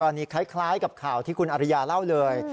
อันนี้คล้ายกับข่าวที่คุณอริยาเล่าเลย